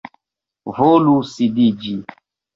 Volu sidiĝi.